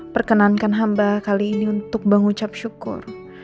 perkenankan hamba kali ini untuk mengucap syukur